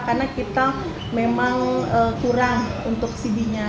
karena kita memang kurang untuk cv nya